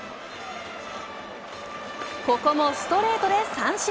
ここもストレートで三振。